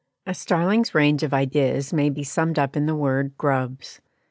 A starling's range of ideas may be summed up in the word "Grubs."